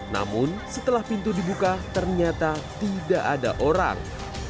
namun setelah pintu dibuka ternyata tidak ada orang